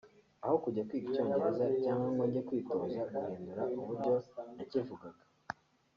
Aho kujya kwiga Icyongereza cyangwa ngo njye kwitoza guhindura uburyo nakivugaga